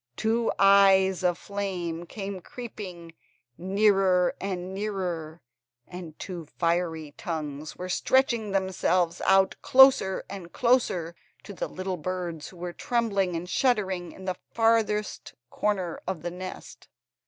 Two eyes of flame came creeping nearer, nearer, and two fiery tongues were stretching themselves out closer, closer, to the little birds who were trembling and shuddering in the farthest corner of the nest.